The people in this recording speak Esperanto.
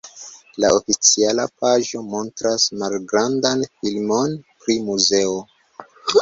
La oficiala paĝo montras malgrandan filmon pri muzeo.